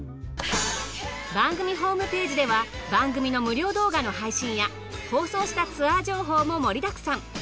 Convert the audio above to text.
番組ホームページでは番組の無料動画の配信や放送したツアー情報も盛りだくさん。